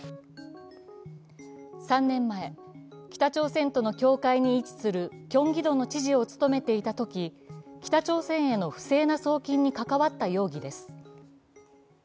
３年前、北朝鮮との境界に位置するキョンギドの知事を務めていたとき、北朝鮮への不正な送金に関わった容疑です。